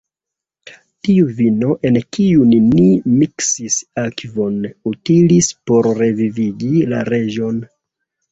Tiu vino, en kiun ni miksis akvon, utilis por revivigi la reĝon.